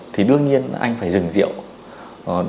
thì đương nhiên anh phải dừng rượu